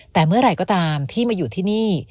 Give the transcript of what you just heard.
แต่เมื่อไหร่ก็ตามพี่มาอยู่ที่นี่